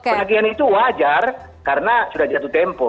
penagihan itu wajar karena sudah jatuh tempo